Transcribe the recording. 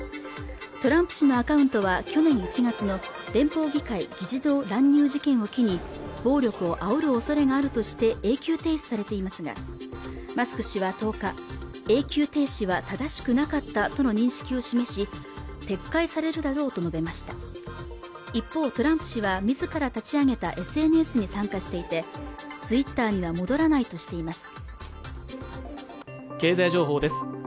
トランプ氏のアカウントは去年１月の連邦議会議事堂乱入事件を機に暴力をあおる恐れがあるとして永久停止されていますがマスク氏は１０日永久停止は正しくなかったとの認識を示し撤回されるだろうと述べました一方トランプ氏は自ら立ち上げたＳＮＳに参加していてツイッターには戻らないとしています